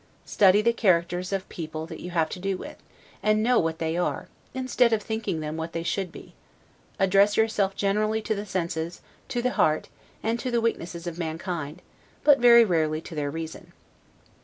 Study the characters of the people you have to do with, and know what they are, instead of thinking them what they should be; address yourself generally to the senses, to the heart, and to the weaknesses of mankind, but very rarely to their reason.